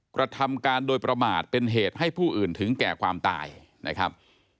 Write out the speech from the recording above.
กระทำการโดยประมาทเป็นเหตุให้ผู้อื่นถึงแก่ความตายนะครับ